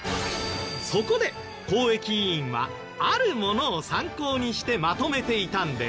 そこで公益委員はあるものを参考にしてまとめていたんです。